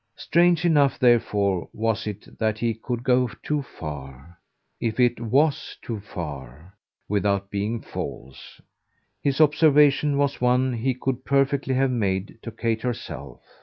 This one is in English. Strange enough therefore was it that he could go too far if it WAS too far without being false. His observation was one he would perfectly have made to Kate herself.